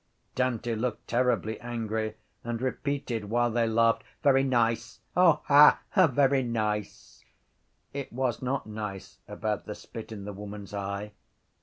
Dante looked terribly angry and repeated while they laughed: —Very nice! Ha! Very nice! It was not nice about the spit in the woman’s eye.